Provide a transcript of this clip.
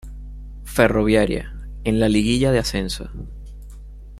Ferroviaria, en la liguilla de ascenso.